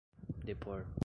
depor